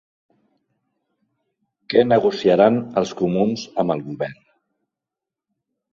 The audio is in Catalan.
Què negociaran els comuns amb el govern?